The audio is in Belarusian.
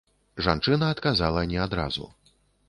Жанчына адказала не адразу.